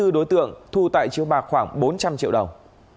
hai mươi đối tượng thu tại chiếu bạc khoảng bốn trăm linh triệu đồng